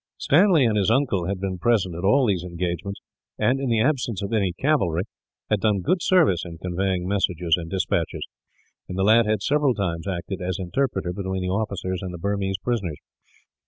Stanley and his uncle had been present at all these engagements and, in the absence of any cavalry, had done good service in conveying messages and despatches; and the lad had several times acted as interpreter between the officers and Burmese prisoners.